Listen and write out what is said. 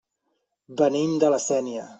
Venim de La Sénia.